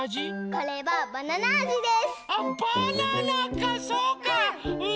これはトマトあじです。